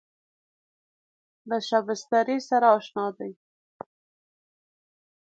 له شبستري سره اشنا دی.